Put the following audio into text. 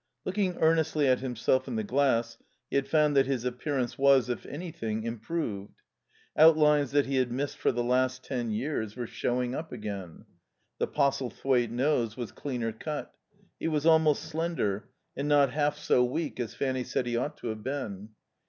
Looking earnestly at himself in the glass, he had found that his appearance was, if anything, improved. Outlines that he had missed for the last ten years were showing up again. The Postlethwaite nose was cleaner cut. He was almost slender, and not half so weak as Fanny said he ought to have been.